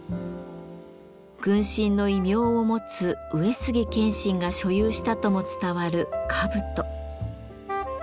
軍神の異名を持つ上杉謙信が所有したとも伝わる兜。